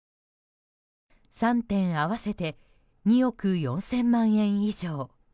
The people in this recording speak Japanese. ３点合わせて２億４０００万円以上。